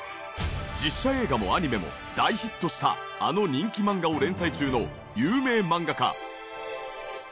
実写映画もアニメも大ヒットしたあの人気漫画を連載中の有名漫画家。